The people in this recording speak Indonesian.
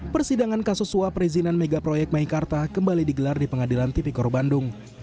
persidangan kasus suap rezinan megaproyek maikarta kembali digelar di pengadilan tipikoro bandung